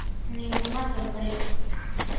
Ningunha sorpresa.